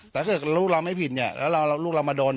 แต่ถ้าลูกเราไม่ผิดแล้วลูกเรามาโดน